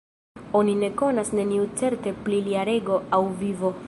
Oni ne konas neniu certe pri lia rego aŭ vivo.